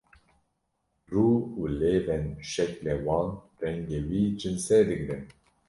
rû û lêvên şeklê wan rengê wî cinsê digre